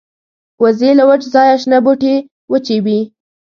وزې له وچ ځایه شنه بوټي وچيبي